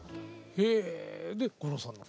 へえで五郎さんの。